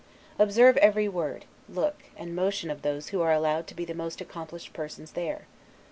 Observe every word, look, and motion of those who are allowed to be the most accomplished persons there.